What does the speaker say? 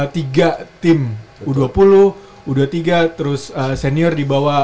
tiga tim u dua puluh u dua puluh tiga terus senior di bawah